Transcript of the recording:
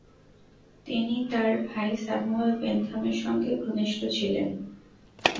তিনি তার ভাই স্যামুয়েল বেন্থাম এর সঙ্গে ঘনিষ্ঠ ছিলেন।